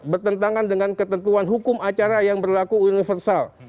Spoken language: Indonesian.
bertentangan dengan ketentuan hukum acara yang berlaku universal